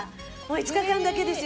５日間だけですよ。